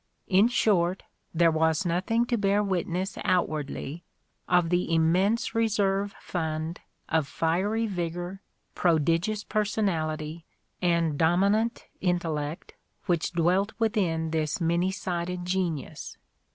In short, there was nothing to bear witness out wardly of the immense reserve fund of fiery vigour, prodigious personality, and dominant intellect which dwelt within this many sided genius.